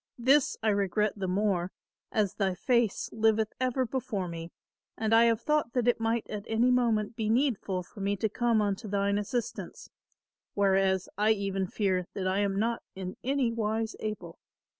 This I regret the more as thy face liveth ever before me and I have thought that it might at any moment be needful for me to come unto thine assistance, whereas I even fear that I am not in any wise able.